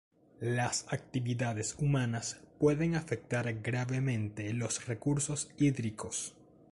Las actividades humanas pueden afectar gravemente los recursos hídricos.